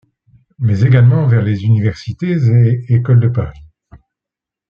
Mais également vers les universités et écoles de Paris.